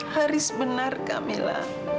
haris benar kamila